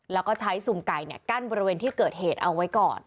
แล้วก็ใช้ซุ่มไก่กั้นบริเวณที่เกิดเหตุเอาไว้ก่อน